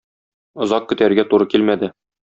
Озак көтәргә туры килмәде.